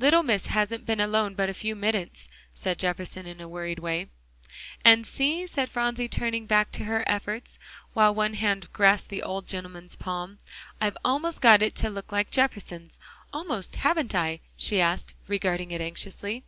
"Little Miss hasn't been alone but a few minutes," said Jefferson in a worried way. "And see," said Phronsie, turning back to her efforts, while one hand grasped the old gentleman's palm, "I've almost got it to look like Jefferson's. Almost, haven't I?" she asked, regarding it anxiously.